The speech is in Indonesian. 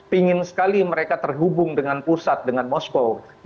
pingin sekali mereka terhubung dengan pusat dengan moskow